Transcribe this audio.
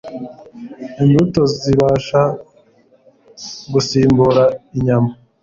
Imbuto zibasha gusimbura inyama